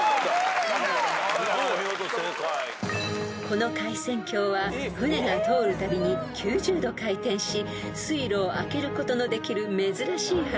［この廻旋橋は船が通るたびに９０度回転し水路をあけることのできる珍しい橋］